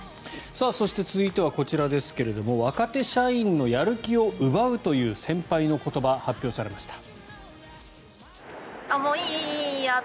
そして続いてはこちらですが若手社員のやる気を奪うという先輩の言葉、発表されました。